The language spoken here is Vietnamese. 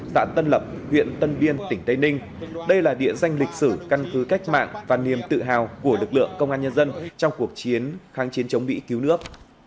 xã tân lập huyện tân biên tỉnh tây ninh đây là địa danh lịch sử căn cứ cách mạng và niềm tự hào của lực lượng công an nhân dân trong cuộc chiến kháng chiến chống mỹ cứu nước